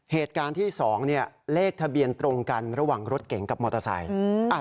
เหตุการณ์ที่๒เลขทะเบียนตรงกันระหว่างรถเก๋งกับมอเตอร์ไซค์